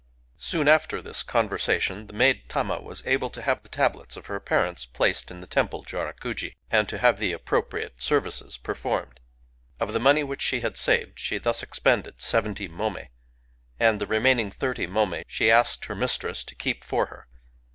Soon after this conversation, the maid Tama was able to have the tablets of her parents placed in the temple Jorakuji, and to have the appropri ate services performed. Of the money which she Digitized by Googk STORY OF A FLY 59 had saved she thus expended seventy mommi; and the remaining thirty mommi she asked her mistress to keep for her.